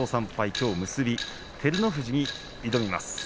きょう結び照ノ富士に挑みます。